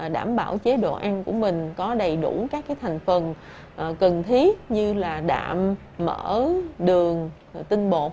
đảm bảo chế độ ăn của mình có đầy đủ các thành phần cần thiết như là đạm mở đường tinh bột